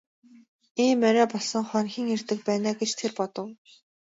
Ийм орой болсон хойно хэн ирдэг байна аа гэж тэр бодов.